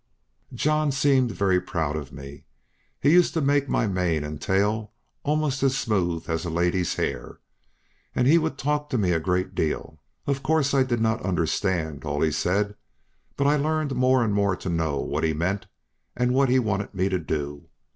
John seemed very proud of me; he used to make my mane and tail almost as smooth as a lady's hair, and he would talk to me a great deal; of course, I did not understand all he said, but I learned more and more to know what he meant, and what he wanted me to do.